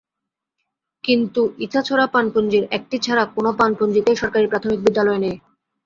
কিন্তু ইছাছড়া পানপুঞ্জির একটি ছাড়া কোনো পানপুঞ্জিতেই সরকারি প্রাথমিক বিদ্যালয় নেই।